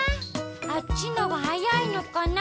あっちのがはやいのかな。